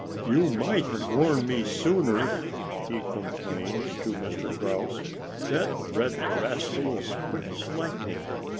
"You might have warned me sooner," he complained to Mr. Grouse. "That red rascal is quick as lightning.